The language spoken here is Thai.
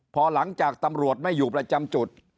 พอหลังจากตำรวจไม่อยู่ประจำจุด